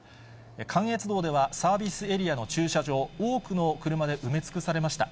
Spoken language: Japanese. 関越道ではサービスエリアの駐車場、多くの車で埋め尽くされました。